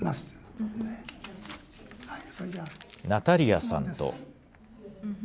ナタリアさんと。